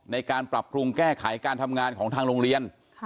ในการปรับปรุงแก้ไขการทำงานของทางโรงเรียน